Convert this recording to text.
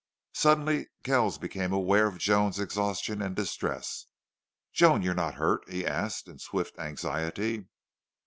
Suddenly Kells became aware of Joan's exhaustion and distress. "Joan, you're not hurt?" he asked in swift anxiety.